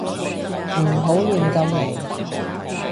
唔好亂咁嚟